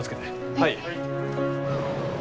はい。